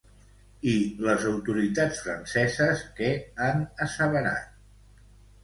I les autoritats franceses què han asseverat?